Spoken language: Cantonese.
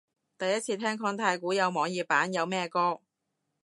第一次聽講太鼓有網頁版，有咩歌？